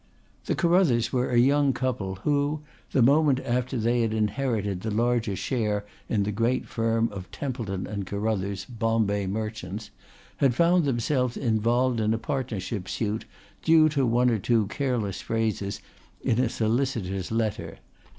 The Carruthers were a young couple who, the moment after they had inherited the larger share in the great firm of Templeton & Carruthers, Bombay merchants, had found themselves involved in a partnership suit due to one or two careless phrases in a solicitor's letter.